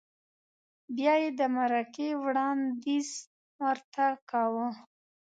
بیا یې د مرکې وړاندیز ورته کاوه؟